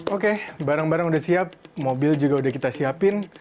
oke barang barang sudah siap mobil juga udah kita siapin